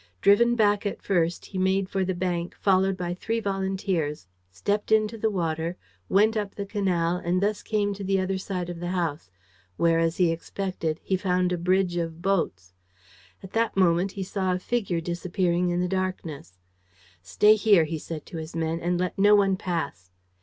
Driven back at first, he made for the bank, followed by three volunteers, stepped into the water, went up the canal and thus came to the other side of the house, where, as he expected, he found a bridge of boats. At that moment, he saw a figure disappearing in the darkness. "Stay here," he said to his men, "and let no one pass."